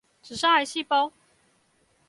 只殺癌細胞！